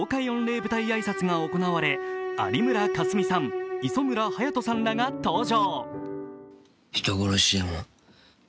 御礼舞台挨拶が行われ有村架純さん、磯村勇斗さんらが登場。